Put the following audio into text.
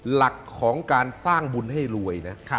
หลักของการสร้างบุญให้รวยนะ